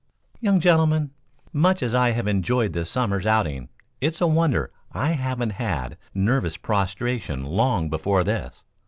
"Young gentlemen, much as I have enjoyed this summer's outing, it's a wonder I haven't had nervous prostration long before this.